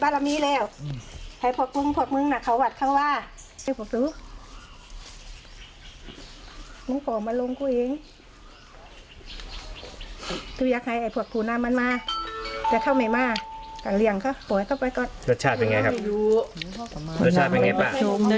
รสชาติเป็นไงครับรสชาติเป็นไงป่ะ